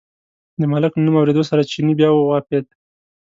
د ملک له نوم اورېدو سره چیني بیا و غپېد.